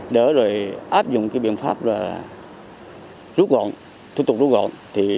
để rồi áp dụng cái biện pháp rút gọn thu tục rút gọn